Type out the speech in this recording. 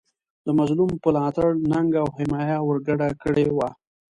د مظلوم په ملاتړ ننګه او حمایه ورګډه کړې وه.